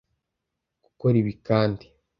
gukora ibi kandi